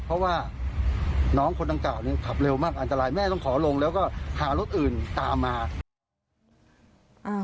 เพราะว่าน้องคนดังกล่าวเนี่ยขับเร็วมากอันตรายแม่ต้องขอลงแล้วก็หารถอื่นตามมา